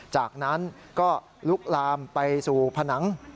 จากนั้นก็ลุกลามไปสู่ผนัง